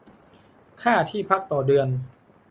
ค่าที่พัก ต่อเดือน